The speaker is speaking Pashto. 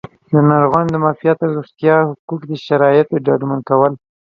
د ناروغانو د معافیت او روغتیایي حقونو د شرایطو ډاډمن کول